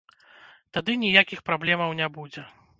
Тады ніякіх праблемаў не будзе.